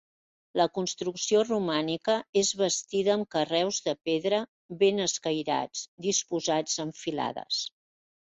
La construcció romànica és bastida amb carreus de pedra ben escairats, disposats en filades.